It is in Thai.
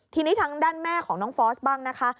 ทีนี้ทางด้านแม่ของน้องฟอสบ้างนะคะ